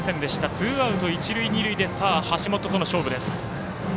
ツーアウト、一塁二塁で橋本との勝負です。